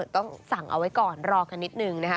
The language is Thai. ต้องสั่งเอาไว้ก่อนรอกันนิดนึงนะคะ